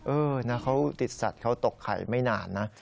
เออนะเขาติดสัตว์เขาตกไข่ไม่นานนะ